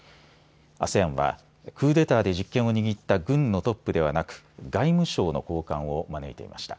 ＡＳＥＡＮはクーデターで実権を握った軍のトップではなく外務省の高官を招いていました。